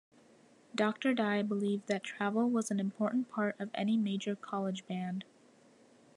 Doctor Dye believed that travel was an important part of any major college band.